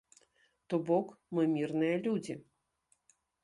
То бок, мы мірныя людзі.